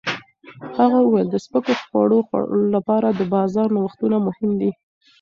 هغه وویل د سپکو خوړو لپاره د بازار نوښتونه مهم دي.